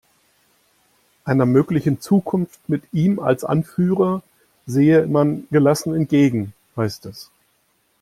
Einer möglichen Zukunft mit ihm als Anführer sehe man gelassen entgegen, heißt es.